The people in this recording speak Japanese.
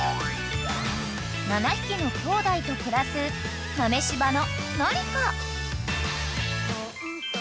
［７匹のきょうだいと暮らす豆柴の］